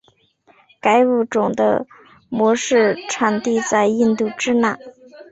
该物种的模式产地在印度支那。